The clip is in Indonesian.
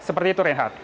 seperti itu renhat